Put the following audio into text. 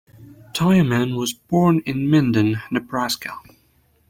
Tiemann was born in Minden, Nebraska.